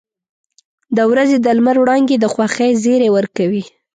• د ورځې د لمر وړانګې د خوښۍ زیری ورکوي.